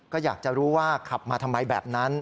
ก็อยากจะรู้ว่าขับมาทำไมแบบนั้น